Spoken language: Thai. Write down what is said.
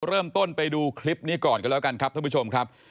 เริ่มต้นไปดูคลิปนี้ก่อนกันแล้วกันครับท่านผู้ชมครับ